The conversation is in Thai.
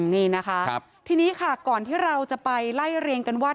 นี่นะคะทีนี้ค่ะก่อนที่เราจะไปไล่เรียงกันว่า